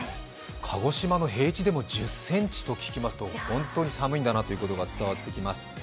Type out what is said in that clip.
鹿児島の平地でも、１０ｃｍと聞きますと、本当に寒いんだなということが伝わってきます。